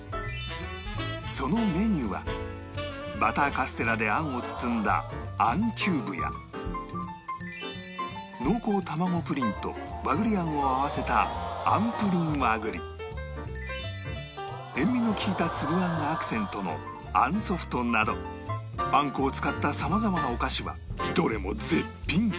そのメニューはバターカステラであんを包んだ濃厚卵プリンと和栗あんを合わせた塩味の利いた粒あんがアクセントのあんソフトなどあんこを使った様々なお菓子はどれも絶品！